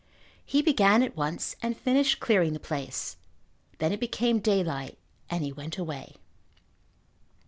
He began at once and finished clearing the place. Then it became daylight and he went away.